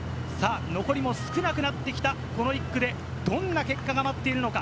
残りも少なくなってきた、この１区でどんな結果が待っているのか？